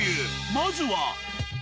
まずは。